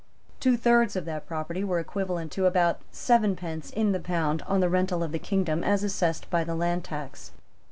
Two thirds of that property were equivalent to about sevenpence in the pound on the rental of the kingdom as assessed to the land tax.